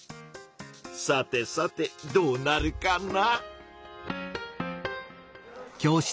さてさてどうなるかな？